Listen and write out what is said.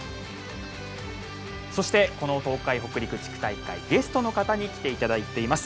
そしてこの東海北陸地区大会ゲストの方に来ていただいています。